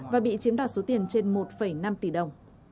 và bị chiếm đoạt số tiền trên một năm tỷ đồng